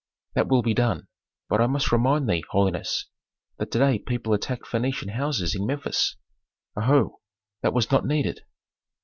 "That will be done. But I must remind thee, holiness, that to day people attacked Phœnician houses in Memphis." "Oho! That was not needed."